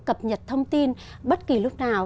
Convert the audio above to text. cập nhật thông tin bất kỳ lúc nào